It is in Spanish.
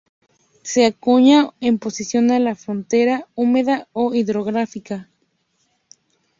Se acuña en oposición a la frontera húmeda o hidrográfica.